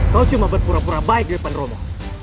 kau cuma berpura pura baik di depan romo